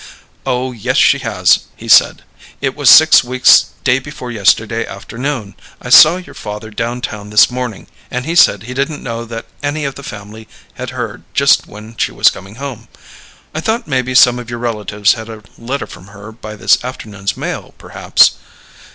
"Oh, yes, she has!" he said. "It was six weeks day before yesterday afternoon. I saw your father downtown this morning, and he said he didn't know that any of the family had heard just when she was coming home. I thought maybe some of your relatives had a letter from her by this afternoon's mail, perhaps."